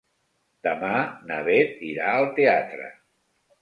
Demà na Beth irà al teatre.